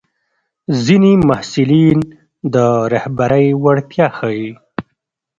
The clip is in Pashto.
ځینې محصلین د رهبرۍ وړتیا ښيي.